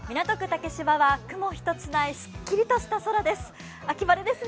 竹芝は雲一つないすっきりとした空です。